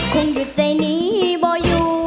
คงหยุดใจนี้บ่อยู่